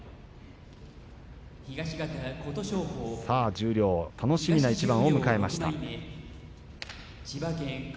十両楽しみな一番を迎えました。